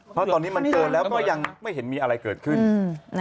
เพราะตอนนี้มันเกินแล้วก็ยังไม่เห็นมีอะไรเกิดขึ้นอืม